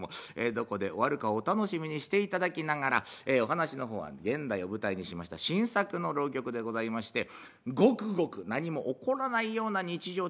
どこで終わるかお楽しみにしていただきながらお噺の方は現代を舞台にしました新作の浪曲でございましてごくごく何も起こらないような日常的な風景でございます。